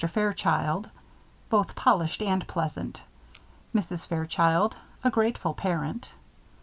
FAIRCHILD: Both Polished and Pleasant. MRS. FAIRCHILD: A Grateful Parent.